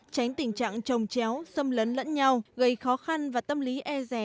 tránh tình trạng trồng chéo xâm lấn lẫn nhau gây khó khăn và tâm lý e rè